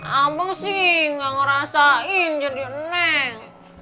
ampun sih gak ngerasain jadi neng